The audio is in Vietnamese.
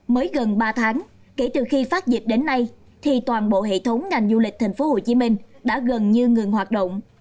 mới gần ba tháng kể từ khi phát dịp đến nay thì toàn bộ hệ thống ngành du lịch tp hcm đã gần như ngừng hoạt động